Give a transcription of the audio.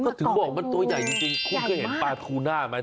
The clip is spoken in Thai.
เขาถึงบอกว่ามันตัวใหญ่จริงใหญ่มากคุณเคยเห็นปลาทูน่าไหม